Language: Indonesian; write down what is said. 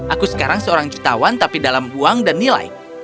aku sekarang seorang jutaan tapi dalam uang dan nilai